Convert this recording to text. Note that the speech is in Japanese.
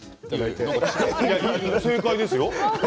正解ですよ。